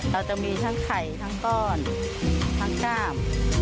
เราจะมีทั้งไข่ทั้งก้อนทั้งกล้าม